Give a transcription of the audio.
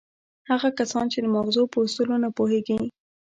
هغه کسان چې د ماغزو په اصولو نه پوهېږي.